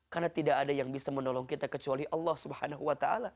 karena tidak ada yang bisa menolong kita kecuali allah swt